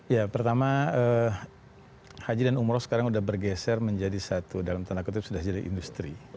ya pertama haji dan umroh sekarang sudah bergeser menjadi satu dalam tanda kutip sudah jadi industri